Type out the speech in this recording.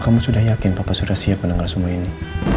kamu sudah yakin papa surya siap mendengar semua ini